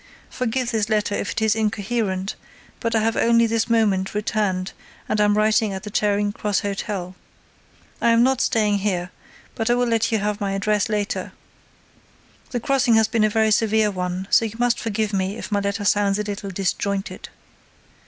Forgive this letter if it is incoherent but I have only this moment returned and am writing at the Charing Cross Hotel. I am not staying here, but I will let you have my address later. The crossing has been a very severe one so you must forgive me if my letter sounds a little disjointed.